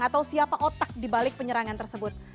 atau siapa otak dibalik penyerangan tersebut